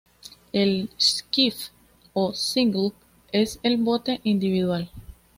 El "skiff" o "single", es el bote individual.